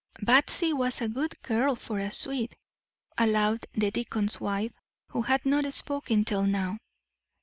"Batsy was a good girl for a Swede," allowed the deacon's wife, who had not spoken till now.